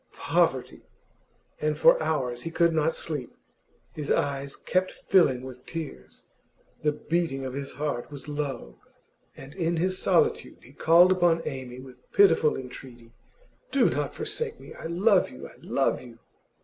Poverty! And for hours he could not sleep. His eyes kept filling with tears, the beating of his heart was low; and in his solitude he called upon Amy with pitiful entreaty: 'Do not forsake me! I love you! I love you!